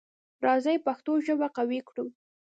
راځی پښتو ژبه قوي کړو.